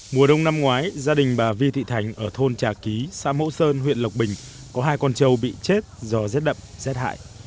mùa đông năm ngoái gia đình bà vi thị thành ở thôn trà ký xã mẫu sơn huyện lộc bình có hai con trâu bị chết do rét đậm rét hại